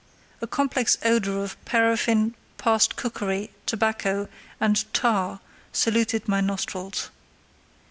A complex odour of paraffin, past cookery, tobacco, and tar saluted my nostrils.